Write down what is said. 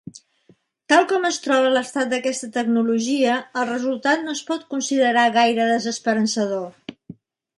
Tal com es troba l'estat d'aquesta tecnologia el resultat no es pot considerar gaire desesperançador.